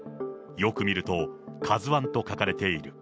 よく見ると、カズワンと書かれている。